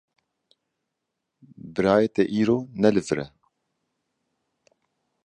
Birayê te îro ne li vir e.